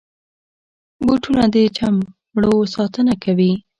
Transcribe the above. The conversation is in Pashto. بوټونه د چمړو ساتنه کوي.